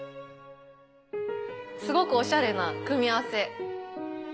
すごくオシャレな組み合わせ。